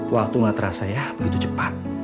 waktu gak terasa ya begitu cepat